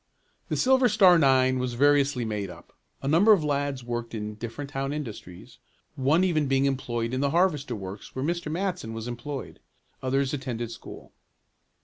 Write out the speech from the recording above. The Silver Star nine was variously made up. A number of lads worked in different town industries, one even being employed in the harvester works where Mr. Matson was employed. Others attended school.